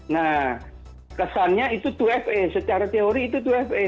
nah kesannya itu dua fa secara teori itu dua fa